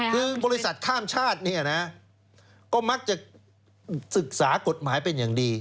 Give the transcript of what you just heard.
คือบริษัทข้ามชาติเนี่ยนะก็มักจะศึกษากฎหมายเป็นอย่างดี